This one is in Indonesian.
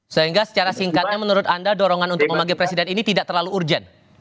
sehingga secara singkatnya menurut anda dorongan untuk memanggil presiden ini tidak terlalu urgent